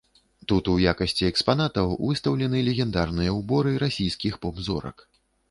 Тут у якасці экспанатаў выстаўлены легендарныя ўборы расійскіх поп-зорак.